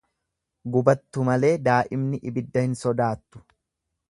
Gubattu malee daa'imni ibidda hin sodaattu.